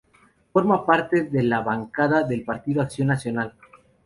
Forma parte de la bancada del Partido Acción Nacional.